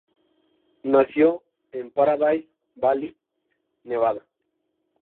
Nació en Paradise Valley, Nevada.